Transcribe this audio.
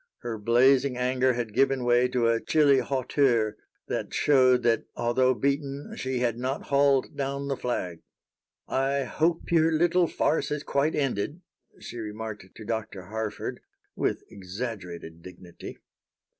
Her blazing anger had given way to a chilly hauteur that showed that, although beaten, she had not hauled down the flag. "I hope your little farce has quite ended," she remarked to Dr. Harford, with exaggerated dignity.